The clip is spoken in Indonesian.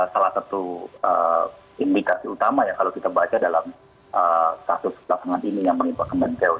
salah satu indikasi utama ya kalau kita baca dalam kasus belakangan ini yang menimpa kemenkeu